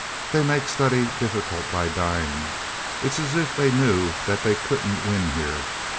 "They make study difficult by dying. It's as if they knew that they couldn't win here.